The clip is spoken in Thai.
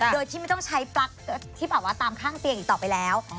โดยที่ไม่ต้องใช้ปลั๊กที่แบบว่าตามข้างเตียงอีกต่อไปแล้ว